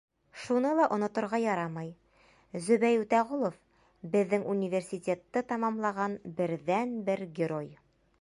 Шуны ла оноторға ярамай: Зөбәй Үтәғолов — беҙҙең университетты тамамлаған берҙән-бер герой.